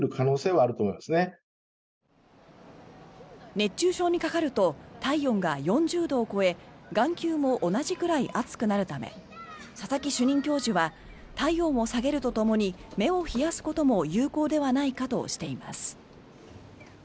熱中症にかかると体温が４０度を超え眼球も同じくらい熱くなるため佐々木主任教授は体温を下げるとともに目を冷やすことも有効ではないかとしています。